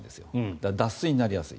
だから脱水になりやすい。